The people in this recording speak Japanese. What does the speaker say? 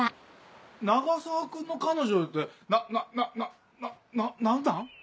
永沢君の彼女ってななな何なん？